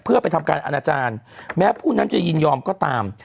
เพื่อไปทำการอนาจารย์แม้ผู้นั้นจะยินยอมก็ตาม